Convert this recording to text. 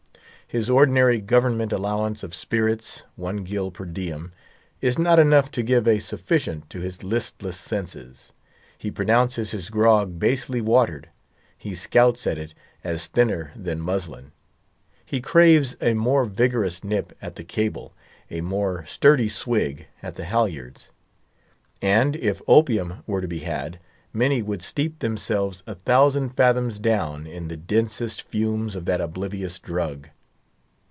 His ordinary government allowance of spirits, one gill per diem, is not enough to give a sufficient to his listless senses; he pronounces his grog basely watered; he scouts at it as thinner than muslin; he craves a more vigorous nip at the cable, a more sturdy swig at the halyards; and if opium were to be had, many would steep themselves a thousand fathoms down in the densest fumes of that oblivious drug.